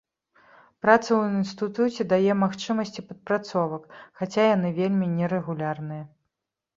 Праца ў інстытуце дае магчымасці падпрацовак, хаця яны вельмі нерэгулярныя.